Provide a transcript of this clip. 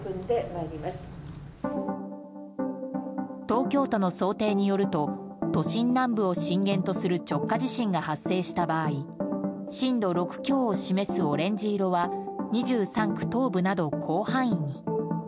東京都の想定によると都心南部を震源とする直下地震が発生した場合震度６強を示すオレンジ色は２３区東部など広範囲に。